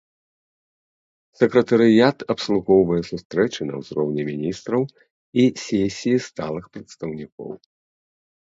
Сакратарыят абслугоўвае сустрэчы на ўзроўні міністраў і сесіі сталых прадстаўнікоў.